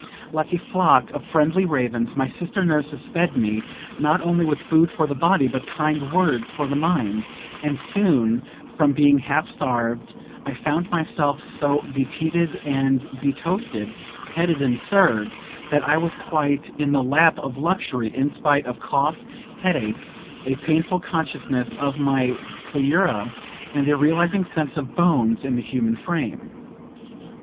Like a flock of friendly ravens, my sister nurses fed me, not only with food for the body, but kind words for the mind; and soon, from being half starved, I found myself so beteaed and betoasted, petted and served, that I was quite "in the lap of luxury," in spite of cough, headache, a painful consciousness of my pleura, and a realizing sense of bones in the human frame.